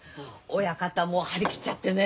親方も張り切っちゃってね。